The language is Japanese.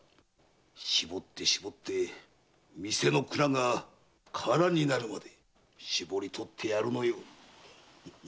搾って搾って店の蔵が空になるまで搾り取ってやるのよ。